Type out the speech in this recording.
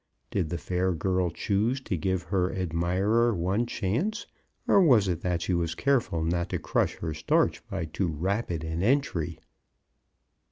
Did the fair girl choose to give her admirer one chance, or was it that she was careful not to crush her starch by too rapid an entry?